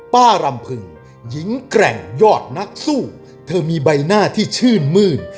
รำพึงหญิงแกร่งยอดนักสู้เธอมีใบหน้าที่ชื่นมื้น